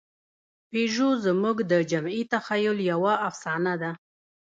پيژو زموږ د جمعي تخیل یوه افسانه ده.